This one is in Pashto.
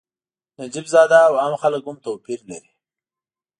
نجیب زاده او عام خلک هم توپیر لري.